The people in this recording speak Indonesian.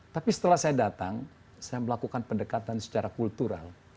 tapi setelah saya datang saya melakukan pendekatan secara kultural